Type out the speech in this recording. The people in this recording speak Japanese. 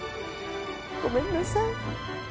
ごめんなさい。